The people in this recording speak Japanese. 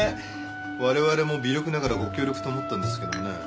我々も微力ながらご協力と思ったんですけどね。